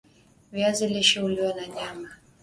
viazi lishe huliwa na nyama